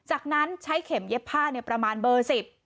จากนั้นใช้เข็มเย็บผ้าเนี่ยประมาณเบอร์สิบ